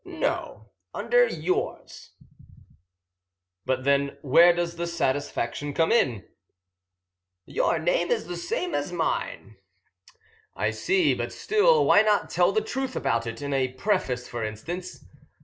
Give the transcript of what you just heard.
"No, under yours." "But, then, where does the satisfaction come in?" "Your name is the same as mine." "I see; but still, why not tell the truth about it? In a preface, for instance."